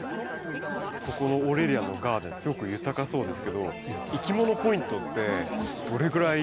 ここのオーレリアンのガーデンすごく豊そうですけどいきものポイントってどれぐらいでしょうか？